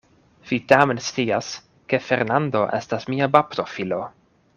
Vi tamen scias, ke Fernando estas mia baptofilo.